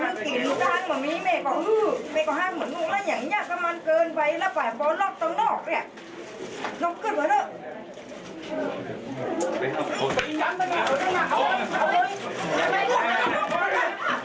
น้องเกิดเหอะ